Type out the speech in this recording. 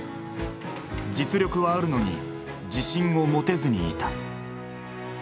実力はあるのに自信を持てずにいた。